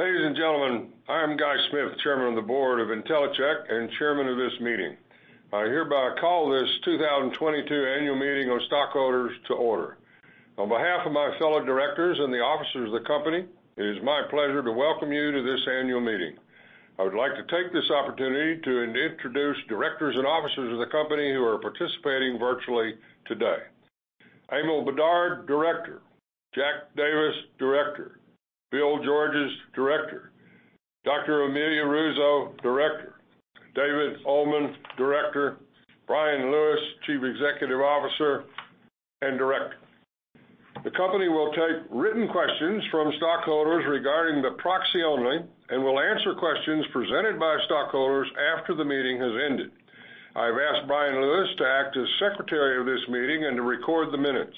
Ladies and gentlemen, I'm Guy Smith, Chairman of the Board of Intellicheck and Chairman of this meeting. I hereby call this 2022 Annual Meeting of Stockholders to order. On behalf of my fellow directors and the officers of the company, it is my pleasure to welcome you to this annual meeting. I would like to take this opportunity to introduce directors and officers of the company who are participating virtually today. Emil Bedard, Director. Jack Davis, Director. Bill Georges, Director. Dr. Amelia Russo, Director. David Ullman, Director. Bryan Lewis, Chief Executive Officer and Director. The company will take written questions from stockholders regarding the proxy only and will answer questions presented by stockholders after the meeting has ended. I've asked Bryan Lewis to act as Secretary of this meeting and to record the minutes.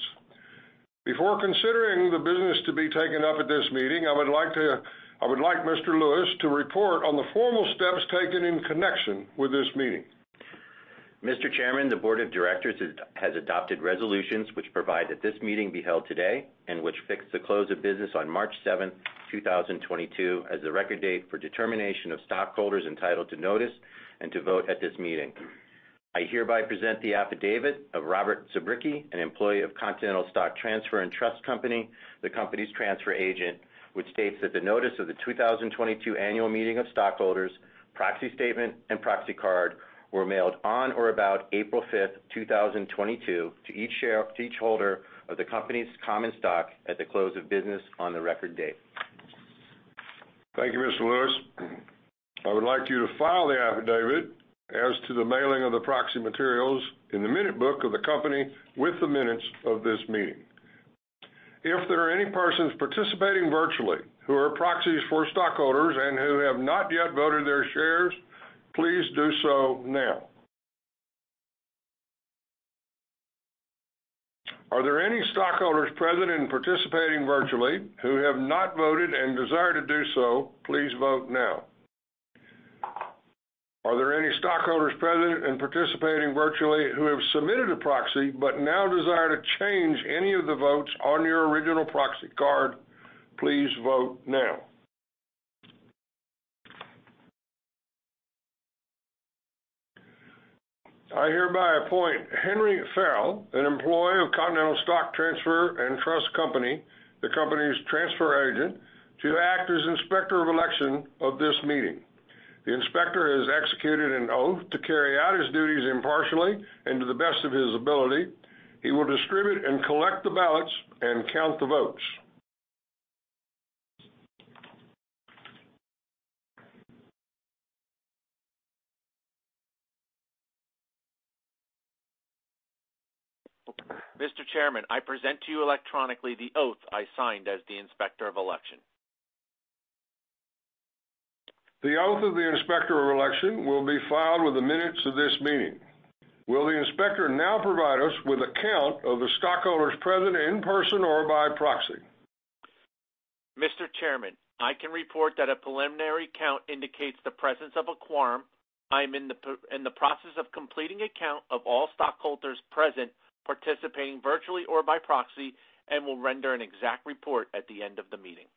Before considering the business to be taken up at this meeting, I would like Mr. Lewis to report on the formal steps taken in connection with this meeting. Mr. Chairman, the board of directors has adopted resolutions which provide that this meeting be held today, and which fixed the close of business on March 7, 2022 as the record date for determination of stockholders entitled to notice and to vote at this meeting. I hereby present the affidavit of Robert Zubrycki, an employee of Continental Stock Transfer & Trust Company, the company's transfer agent, which states that the notice of the 2022 annual meeting of stockholders, proxy statement and proxy card were mailed on or about April 5, 2022 to each holder of the company's common stock at the close of business on the record date. Thank you, Mr. Lewis. I would like you to file the affidavit as to the mailing of the proxy materials in the minute book of the company with the minutes of this meeting. If there are any persons participating virtually who are proxies for stockholders and who have not yet voted their shares, please do so now. Are there any stockholders present and participating virtually who have not voted and desire to do so? Please vote now. Are there any stockholders present and participating virtually who have submitted a proxy but now desire to change any of the votes on your original proxy card? Please vote now. I hereby appoint Henry Farrell, an employee of Continental Stock Transfer & Trust Company, the company's transfer agent, to act as Inspector of Election of this meeting. The inspector has executed an oath to carry out his duties impartially and to the best of his ability. He will distribute and collect the ballots and count the votes. Mr. Chairman, I present to you electronically the oath I signed as the Inspector of Election. The oath of the Inspector of Election will be filed with the minutes of this meeting. Will the Inspector now provide us with a count of the stockholders present in person or by proxy? Mr. Chairman, I can report that a preliminary count indicates the presence of a quorum. I'm in the process of completing a count of all stockholders present, participating virtually or by proxy, and will render an exact report at the end of the meeting.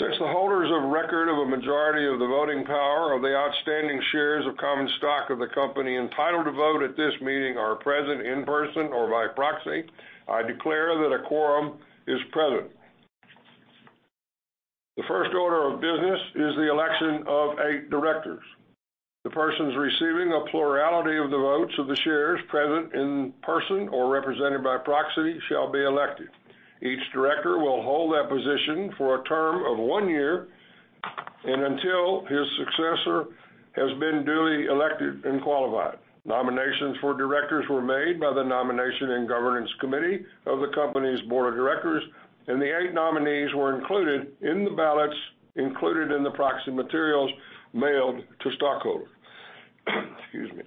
Since the holders of record of a majority of the voting power of the outstanding shares of common stock of the company entitled to vote at this meeting are present in person or by proxy, I declare that a quorum is present. The first order of business is the election of eight directors. The persons receiving a plurality of the votes of the shares present in person or represented by proxy shall be elected. Each director will hold that position for a term of one year and until his successor has been duly elected and qualified. Nominations for directors were made by the Nominating and Corporate Governance Committee of the company's Board of Directors, and the eight nominees were included in the ballots included in the proxy materials mailed to stockholders. Excuse me.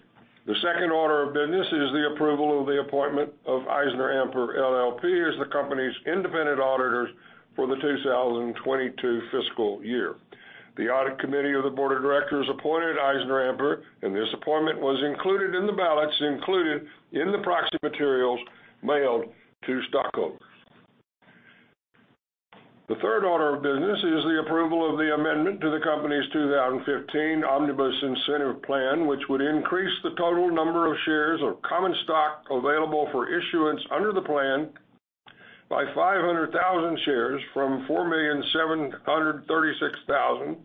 The second order of business is the approval of the appointment of EisnerAmper LLP as the company's independent auditors for the 2022 fiscal year. The Audit Committee of the Board of Directors appointed EisnerAmper, and this appointment was included in the ballots included in the proxy materials mailed to stockholders. The third order of business is the approval of the amendment to the company's 2015 Omnibus Incentive Plan, which would increase the total number of shares of common stock available for issuance under the plan by 500,000 shares from 4,736,000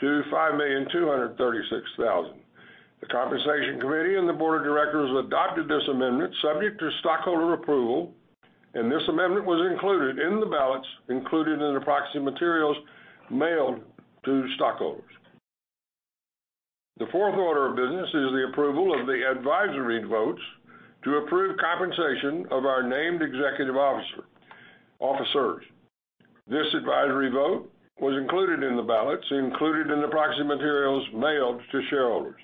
to 5,236,000. The Compensation Committee and the Board of Directors adopted this amendment subject to stockholder approval, and this amendment was included in the ballots included in the proxy materials mailed to stockholders. The fourth order of business is the approval of the advisory votes to approve compensation of our named executive officers. This advisory vote was included in the ballots included in the proxy materials mailed to shareholders.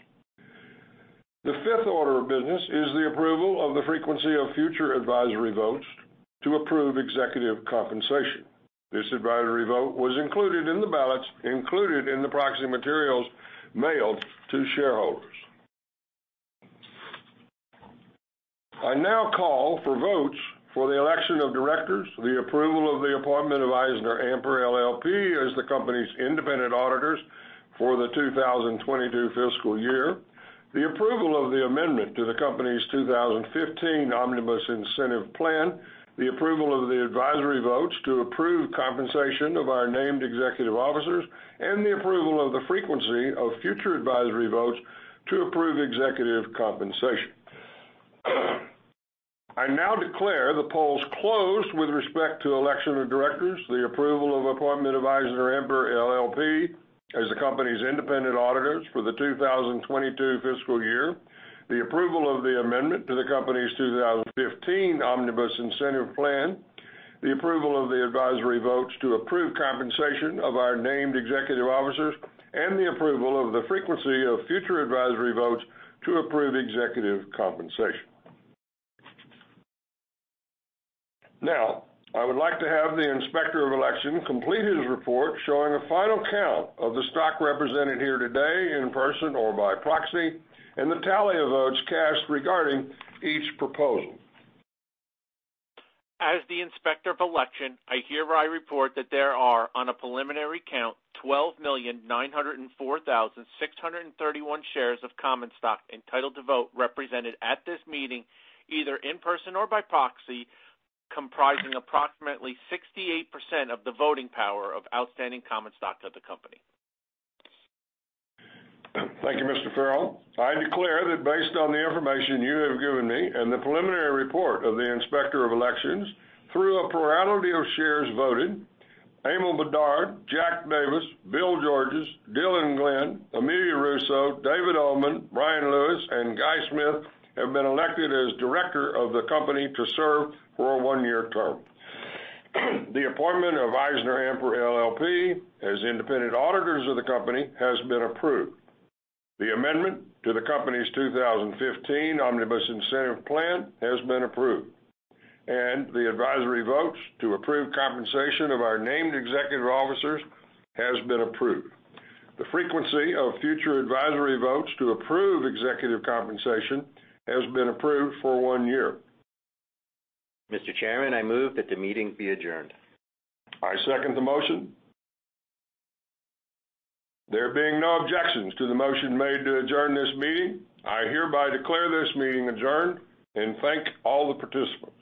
The fifth order of business is the approval of the frequency of future advisory votes to approve executive compensation. This advisory vote was included in the ballots included in the proxy materials mailed to shareholders. I now call for votes for the election of directors, the approval of the appointment of EisnerAmper LLP as the company's independent auditors for the 2022 fiscal year, the approval of the amendment to the company's 2015 Omnibus Incentive Plan, the approval of the advisory votes to approve compensation of our named executive officers, and the approval of the frequency of future advisory votes to approve executive compensation. I now declare the polls closed with respect to election of directors, the approval of appointment of EisnerAmper LLP as the company's independent auditors for the 2022 fiscal year, the approval of the amendment to the company's 2015 Omnibus Incentive Plan, the approval of the advisory votes to approve compensation of our named executive officers, and the approval of the frequency of future advisory votes to approve executive compensation. Now, I would like to have the inspector of election complete his report showing a final count of the stock represented here today in person or by proxy, and the tally of votes cast regarding each proposal. As the inspector of election, I hereby report that there are, on a preliminary count, 12,904,631 shares of common stock entitled to vote represented at this meeting, either in person or by proxy, comprising approximately 68% of the voting power of outstanding common stock of the company. Thank you, Mr. Farrell. I declare that based on the information you have given me and the preliminary report of the inspector of elections, through a plurality of shares voted, Emil Bedard, Jack Davis, Bill Georges, Dylan Glenn, Amelia Russo, David E. Ullman, Bryan Lewis, and Guy Smith have been elected as director of the company to serve for a one-year term. The appointment of EisnerAmper LLP as independent auditors of the company has been approved. The amendment to the company's 2015 Omnibus Incentive Plan has been approved. The advisory votes to approve compensation of our named executive officers has been approved. The frequency of future advisory votes to approve executive compensation has been approved for one year. Mr. Chairman, I move that the meeting be adjourned. I second the motion. There being no objections to the motion made to adjourn this meeting, I hereby declare this meeting adjourned and thank all the participants.